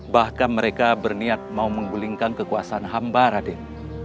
bahkan mereka berniat mau menggulingkan kekuasaan hamba raden